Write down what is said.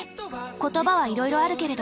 言葉はいろいろあるけれど。